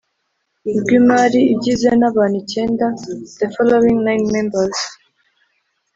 rw Imari igizwe n abantu icyenda the following nine members